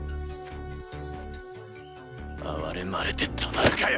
哀れまれてたまるかよ！